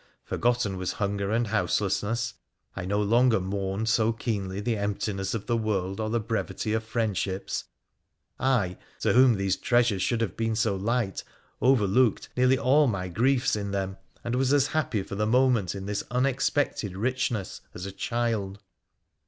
Forgotten was hunger and houselessness— I no longer mourned so keenly the emptiness of the world or the brevity of friend PHRA THE PHCEXICIAN 129 ships : I, to whom these treasures should have been so light, overlooked nearly all my griefs in them, and was as happy for the moment in this unexpected richness as a child.